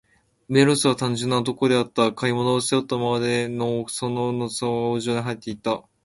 メロスは、単純な男であった。買い物を、背負ったままで、のそのそ王城にはいって行った。